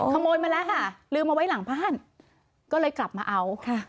ขโมยมาแล้วค่ะลืมเอาไว้หลังบ้านก็เลยกลับมาเอาค่ะ